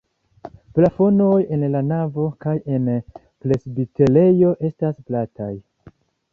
Plafonoj en la navo kaj en presbiterejo estas plataj.